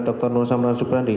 dr nusama subradi